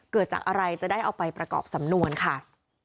เกิดจากอะไรจะได้เอาไปประกอบสำนวนค่ะ